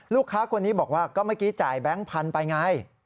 ลูกค้าคนนี้บอกว่าก็เมื่อกี้จ่ายแบงค์พันธุ์ไปไง